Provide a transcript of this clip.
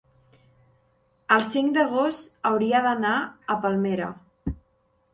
El cinc d'agost hauria d'anar a Palmera.